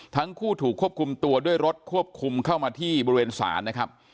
ทั้งคู่ถูกควบคุมตัวด้วยรถควบคุมเข้ามาที่บริเวณศาลนะครับ